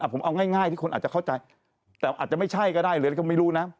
ผมเอาง่ายที่คนอาจจะเข้าใจแต่อาจจะไม่ใช่ก็ได้หรือก็ไม่รู้นะ